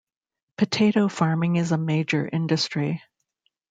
Potato farming is a major industry.